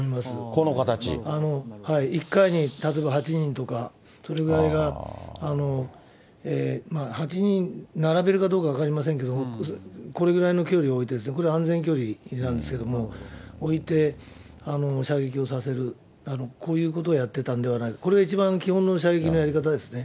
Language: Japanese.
この形？１回に例えば８人とか、それぐらいが、８人並べるかどうか分かりませんけれども、これぐらいの距離を置いて、これは安全距離なんですけれども、置いて、射撃をさせる、こういうことをやってたんではないか、これ一番基本の射撃のやり方ですね。